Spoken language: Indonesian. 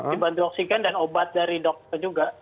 dibantu oksigen dan obat dari dokter juga